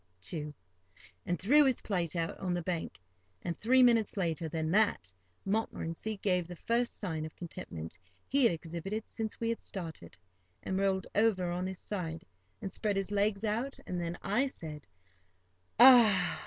too, and threw his plate out on the bank; and, three minutes later than that, Montmorency gave the first sign of contentment he had exhibited since we had started, and rolled over on his side, and spread his legs out; and then I said, "Ah!"